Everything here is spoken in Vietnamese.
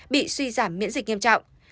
bị suy giảm miễn dịch nghiêm trọng